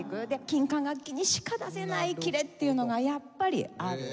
金管楽器にしか出せないキレっていうのがやっぱりある。